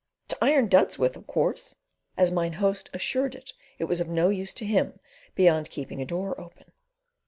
To iron duds with, of course," as Mine Host assured us it was of no use to him beyond keeping a door open.